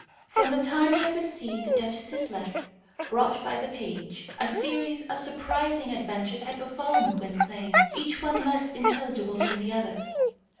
From the time he had received the duchess's letter, brought by the page, a series of surprising adventures had befallen Gwynplaine, each one less intelligible than the other.